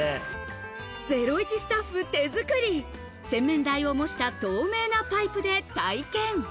『ゼロイチ』スタッフ手作り、洗面台を模した透明なパイプで体験。